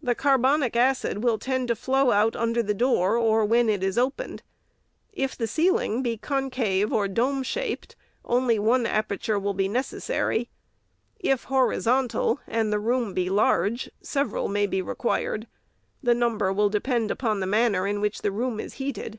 The carbonic acid will tend to flow out under the door, or when it is opened. If the ceiling be concave or dome shaped, only one aperture will be necessary ;— if horizon tal, and the room be large, several may be required. The number will depend upon the manner in which the room is heated.